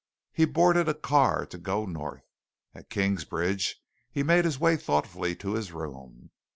He boarded a car to go north. At Kingsbridge he made his way thoughtfully to his room.